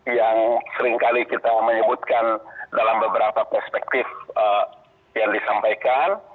yang seringkali kita menyebutkan dalam beberapa perspektif yang disampaikan